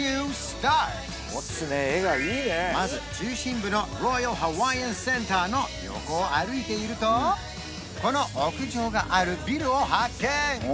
まず中心部のロイヤルハワイアンセンターの横を歩いているとこの屋上があるビルを発見